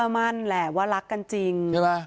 มั่นแหละว่ารักกันจริง